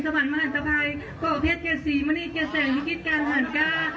สวรรค์มหันตธรรมไหลโปรเทศแก่สีมณีแก่แสงมิกิตการฮังกา